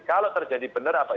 kalau terjadi bener apa